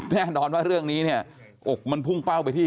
แน่นอนว่าเรื่องนี้เนี่ยอกมันพุ่งเป้าไปที่